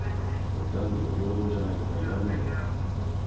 男女平等じゃないとか言われないだろうか？